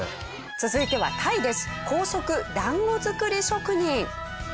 続いてはタイです。